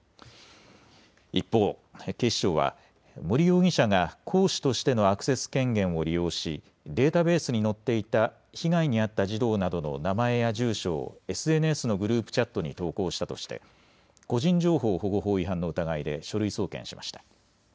一方、警視庁は森容疑者が講師としてのアクセス権限を利用しデータベースに載っていた被害に遭った児童などの名前や住所をＳＮＳのグループチャットに投稿したとして個人情報保護法違反の疑いで書類送検しました。